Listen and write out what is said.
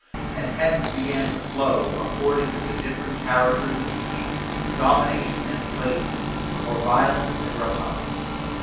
And hence began to flow, according to the different characters of each, domination and slavery, or violence and rapine.